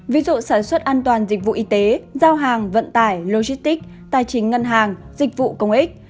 ví dụ sản xuất an toàn dịch vụ y tế giao hàng vận tải logistic tài chính ngân hàng dịch vụ công ích